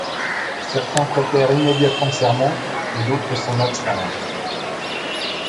Certains prêtèrent immédiatement serment et d'autres s'en abstinrent.